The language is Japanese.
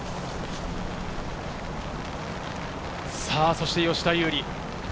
そして吉田優利。